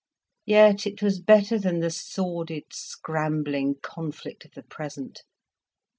Yet it was better than the sordid scrambling conflict of the present.